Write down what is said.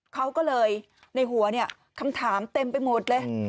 เขาก็เลยในหัวเนี่ยคำถามเต็มไปหมดเลย